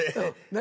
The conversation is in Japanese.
何？